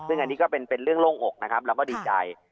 ซึ่งอันนี้ก็เป็นเรื่องโล่งอกนะครับเราก็ดีใจ